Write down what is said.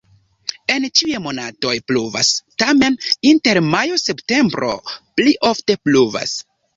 En ĉiuj monatoj pluvas, tamen inter majo-septempbro pli ofte pluvas.